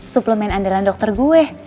suplemen andalan dokter gue